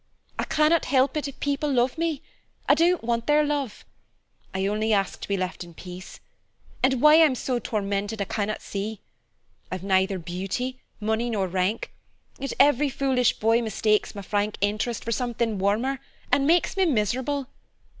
I cannot help it if people love me. I don't want their love. I only ask to be left in peace, and why I am tormented so I cannot see. I've neither beauty, money, nor rank, yet every foolish boy mistakes my frank interest for something warmer, and makes me miserable.